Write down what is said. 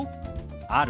「ある？」。